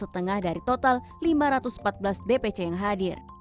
setengah dari total lima ratus empat belas dpc yang hadir